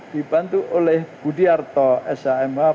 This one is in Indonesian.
dipantul oleh budiarto s a m h